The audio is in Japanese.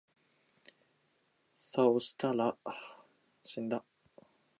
さうしたら例の兄がおれを親不孝だ、おれの為めに、おつかさんが早く死んだんだと云つた。